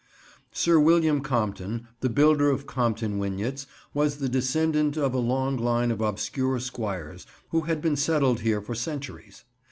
Sir William Compton, the builder of Compton Wynyates, was the descendant of a long line of obscure squires who had been settled here for centuries.